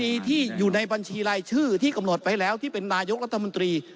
มีที่อยู่ในบัญชีรายชื่อที่กำหนดไว้แล้วที่เป็นนายกรัฐมนตรี